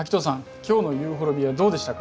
今日のユーフォルビアどうでしたか？